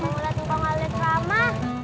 mau lihat lihat sama sama